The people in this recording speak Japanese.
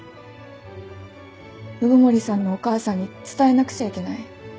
鵜久森さんのお母さんに伝えなくちゃいけない。